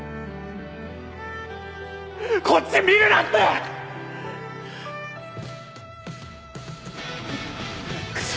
こっち見るなって‼クソ。